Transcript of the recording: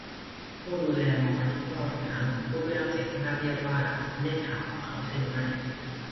ผู้ดูแลมองมาที่พวกเราอีกครั้ง พูดด้วยน้ำเสียงราบเรียบว่า คุณได้ข่าวของเขาใช่หรือไม่